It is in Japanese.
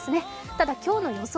ただ今日の予想